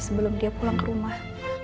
sebelum dia pulang ke rumah